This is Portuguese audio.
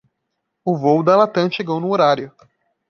O voo da Latam chegou no horário.